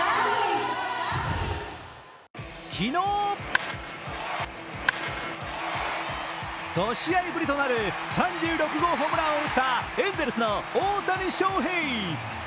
昨日５試合ぶりとなる３６号ホームランを打ったエンゼルスの大谷翔平。